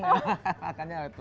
makannya awet muda